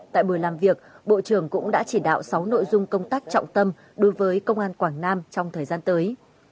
tại buổi làm việc bộ trưởng cũng đã chỉ đạo sáu nội dung công tác trọng tâm đối với công an quảng nam trong thời gian tới